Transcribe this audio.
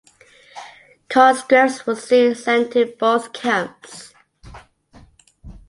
Conscripts were soon sent to both camps.